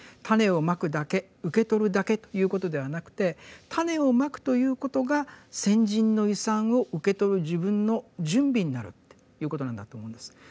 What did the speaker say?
種を蒔くだけ受け取るだけということではなくて種を蒔くということが先人の遺産を受け取る自分の準備になるっていうことなんだと思うんです。